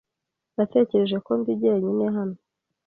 Natekereje ko ndi jyenyine hano.